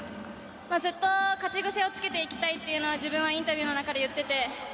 ずっと勝ち癖をつけていきたいというのは自分はインタビューの中で言っていて。